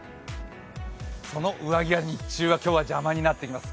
その上着は日中は今日は邪魔になってきます。